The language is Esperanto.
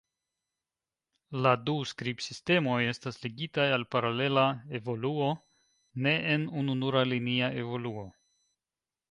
La du skribsistemoj estas ligitaj al paralela evoluo, ne en ununura linia evoluo.